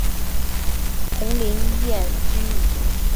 宏琳厝居住着黄姓家族。